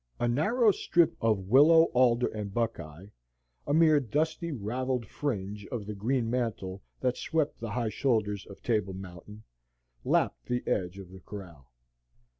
A narrow strip of willow, alder, and buckeye a mere dusty, ravelled fringe of the green mantle that swept the high shoulders of Table Mountain lapped the edge of the corral.